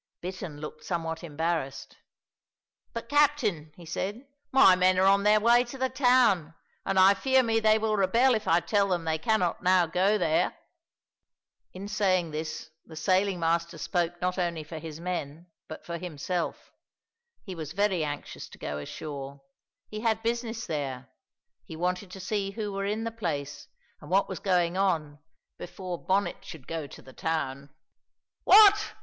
Bittern looked somewhat embarrassed. "But, captain," he said, "my men are on their way to the town, and I fear me they will rebel if I tell them they cannot now go there." In saying this the sailing master spoke not only for his men, but for himself. He was very anxious to go ashore; he had business there; he wanted to see who were in the place, and what was going on before Bonnet should go to the town. "What!"